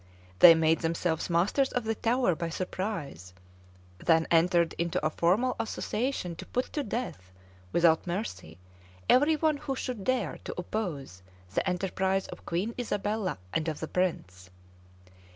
[*] They made themselves masters of the Tower by surprise; then entered into a formal association to put to death, without mercy, every one who should dare to oppose the enterprise of Queen Isabella, and of the prince.